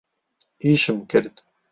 ئیشم کرد.